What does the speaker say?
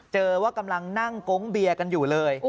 ว่ากำลังนั่งโก๊งเบียร์กันอยู่เลย